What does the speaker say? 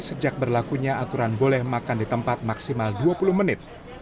sejak berlakunya aturan boleh makan di tempat maksimal dua puluh menit